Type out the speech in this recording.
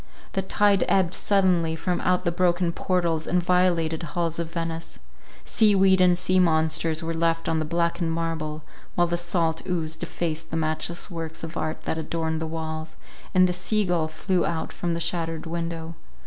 The tide ebbed sullenly from out the broken portals and violated halls of Venice: sea weed and sea monsters were left on the blackened marble, while the salt ooze defaced the matchless works of art that adorned their walls, and the sea gull flew out from the shattered window.